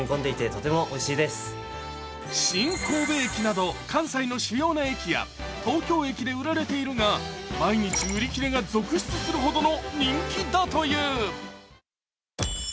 新神戸駅など関西の主要な駅や東京駅で売られているが、毎日売り切れが続出するほどの人気だという。